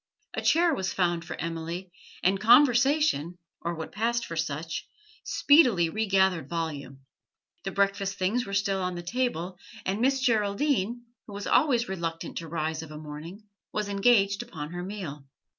A chair was found for Emily, and conversation, or what passed for such, speedily regathered volume. The breakfast things were still on the table, and Miss Geraldine, who was always reluctant to rise of a morning, was engaged upon her meal.